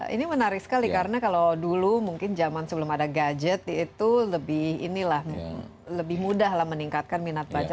ini menarik sekali karena kalau dulu mungkin zaman sebelum ada gadget itu lebih inilah lebih mudah lah meningkatkan minat baca